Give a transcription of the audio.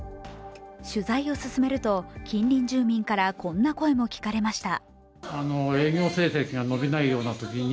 取材を進めると近隣住民からこんな声も聞かれました。